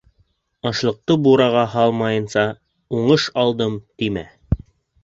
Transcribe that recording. Ашлыҡты бураға һалмайынса «уңыш алдым», тимә.